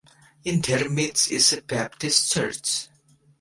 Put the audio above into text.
In their midst is a Baptist church.